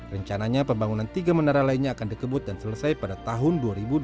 rencananya pembangunan tiga menara lainnya akan dikebut dan selesai pada tahun dua ribu dua puluh